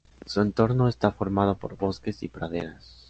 Su entorno está formado por bosques y praderas.